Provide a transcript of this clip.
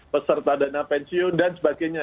peserta dana pensiun dan sebagainya